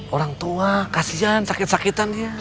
orang tua kasihan sakit sakitannya